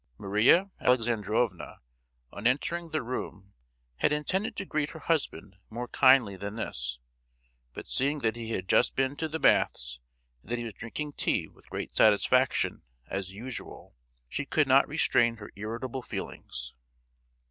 Maria Alexandrovna, on entering the room, had intended to greet her husband more kindly than this; but seeing that he had just been to the baths and that he was drinking tea with great satisfaction, as usual, she could not restrain her irritable feelings.